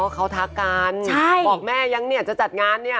เขาทักกันบอกแม่ยังเนี่ยจะจัดงานเนี่ย